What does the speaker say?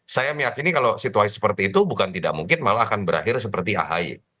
saya meyakini kalau situasi seperti itu bukan tidak mungkin malah akan berakhir seperti ahy